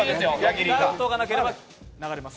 ダウトがなければ流れます。